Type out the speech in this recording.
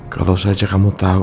kalau saja kamu tahu